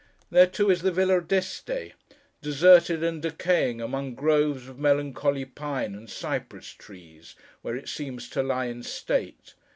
There, too, is the Villa d'Este, deserted and decaying among groves of melancholy pine and cypress trees, where it seems to lie in state.